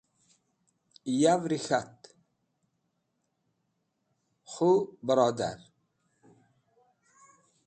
Yav’ri k̃hat: kho barodar!